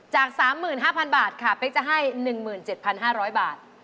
จาก๓๕๐๐บาทค่ะเป๊กจะให้๑๗๕๐๐บาท